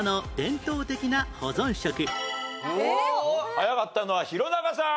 早かったのは弘中さん。